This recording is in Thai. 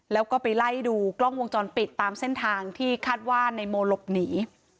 แล้วก็ไปไล่ดูกล้องวงจรปิดตามเส้นทางที่คาดว่านายโมหลบหนี